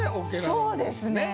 そうですね